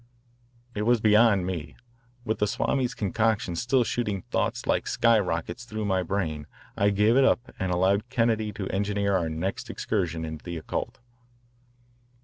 It was beyond me. With the Swami's concoction still shooting thoughts like sky rockets through my brain I gave it up and allowed Kennedy to engineer our next excursion into the occult.